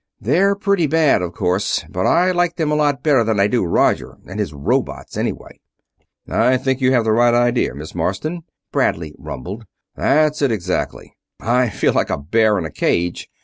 "They're pretty bad, of course, but I like them a lot better than I do Roger and his robots, anyway." "I think you have the right idea, Miss Marsden," Bradley rumbled. "That's it, exactly. I feel like a bear in a cage.